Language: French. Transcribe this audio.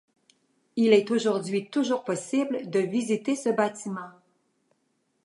Il est aujourd’hui toujours possible de visiter ce bâtiment.